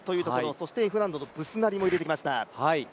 そしてＦ難度のブスナリも入れてきました。